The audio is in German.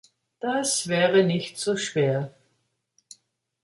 Das wäre nicht so schwer.